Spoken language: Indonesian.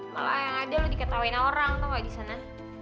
malah yang ada lo diketawain orang tau gak di sana